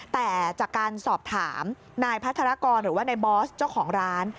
แต่จากการสอบถามนายพัฒนากรหรือว่าในบอสเจ้าของร้าน